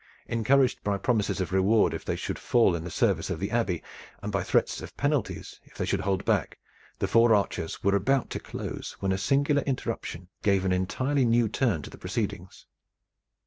Encouraged by promises of reward if they should fall in the service of the Abbey, and by threats of penalties if they should hold back, the four archers were about to close, when a singular interruption gave an entirely new turn to the proceedings.